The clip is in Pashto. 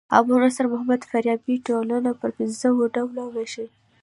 ابو نصر محمد فارابي ټولنه پر پنځه ډوله ويشي.